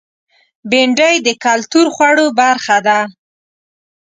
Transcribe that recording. بېنډۍ د کلتور خوړو برخه ده